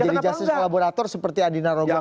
jadi jasus kolaborator seperti andina robang